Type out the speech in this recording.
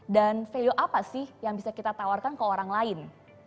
dan value apa sih yang bisa kita tawarkan ke orang lain